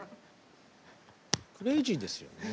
クレージーですよね。